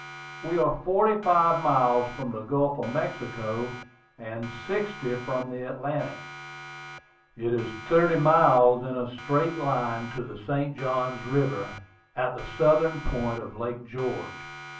We are forty five miles from the Gulf of Mexico, and sixty from the Atlantic. It is thirty miles in a straight line to the St. Johns River, at the southern point of Lake George."